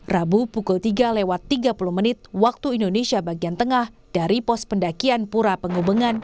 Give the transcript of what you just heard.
rabu pukul tiga lewat tiga puluh menit waktu indonesia bagian tengah dari pos pendakian pura penghubungan